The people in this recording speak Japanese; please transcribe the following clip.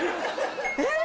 えっ！